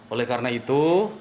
oleh karena itu